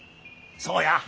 そうや。